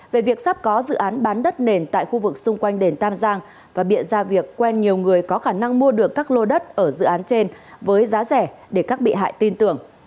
về việc sắp có dự án bán đất nền tại khu vực xung quanh đền tam giang và biện ra việc quen nhiều người có khả năng mua được các lô đất ở dự án trên với giá rẻ để các bị hại tin tưởng